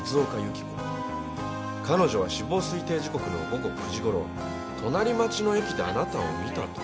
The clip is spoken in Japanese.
彼女は死亡推定時刻の午後９時頃隣町の駅であなたを見たと。